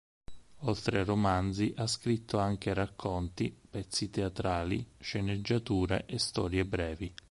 Oltre a romanzi ha scritto anche racconti, pezzi teatrali, sceneggiature e storie brevi.